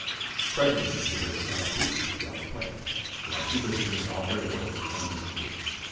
Presently she heard the sound of hoof beats down the pike, and as she listened a solitary horseman turned in at the gate.